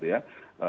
karena kalau misalnya